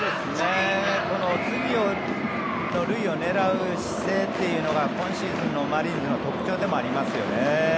この次の塁を狙う姿勢というのは今シーズンのマリーンズの特徴でもありますよね。